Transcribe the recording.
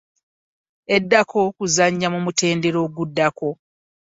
Eddako kuzannya mu mutendera oguddako.